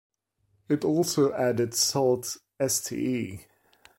It also added Sault Ste.